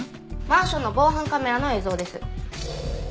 マンションの防犯カメラの映像です。